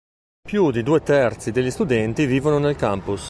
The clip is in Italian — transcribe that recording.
Più di due terzi degli studenti vivono nel campus.